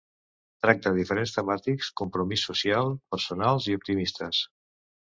Tracta diferents temàtics: compromís social, personals i intimistes.